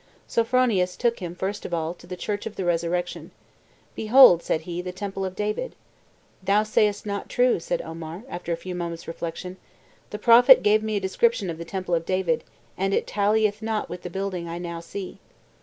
Sophronius took him, first of all, to the Church of the Resurrection. 'Be hold,' said he, 'the temple of David.' 'Thou sayest not true,' said Omar, after a few moments' reflection; 'the Prophet gave me a description of the temple of David, and it tallieth not with the building I now see.